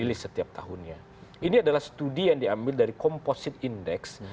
ini adalah studi yang diambil dari komposit indeks